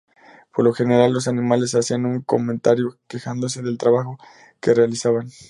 Por lo general los animales hacían un comentario quejándose del trabajo que realizaban.